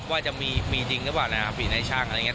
ว่าจะมีจริงหรือเปล่านะครับมีในช่างอะไรอย่างนี้